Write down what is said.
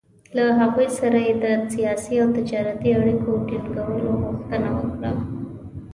له هغوی سره یې د سیاسي او تجارتي اړیکو ټینګولو غوښتنه وکړه.